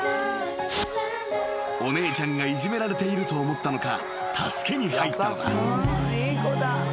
［お姉ちゃんがいじめられていると思ったのか助けに入ったのだ］